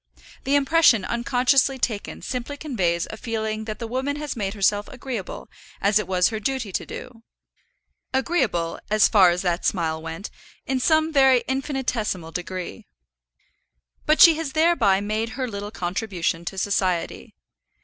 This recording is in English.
The impression unconsciously taken simply conveys a feeling that the woman has made herself agreeable, as it was her duty to do, agreeable, as far as that smile went, in some very infinitesimal degree. But she has thereby made her little contribution to society.